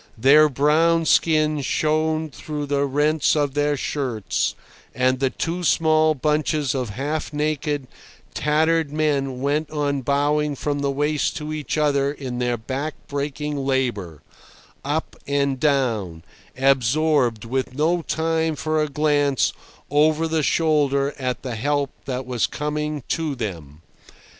Their brown skin showed through the rents of their shirts; and the two small bunches of half naked, tattered men went on bowing from the waist to each other in their back breaking labour, up and down, absorbed, with no time for a glance over the shoulder at the help that was coming to them.